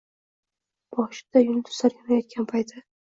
Boshida yulduzlar yonayotgan payti